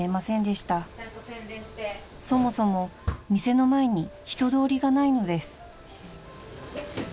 ［そもそも店の前に人通りがないのです］